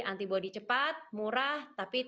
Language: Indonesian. antibody cepat murah tapi